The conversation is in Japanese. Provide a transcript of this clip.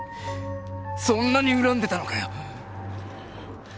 そんなに恨んでたのかよ？